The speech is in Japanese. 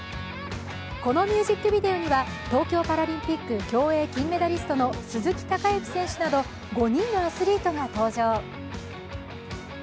このミュージックビデオには東京パラリンピック競泳金メダリストの鈴木孝幸選手など５人のアスリートが登場。